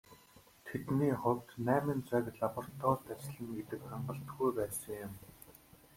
Тэдний хувьд найман цаг лабораторид ажиллана гэдэг хангалтгүй байсан юм.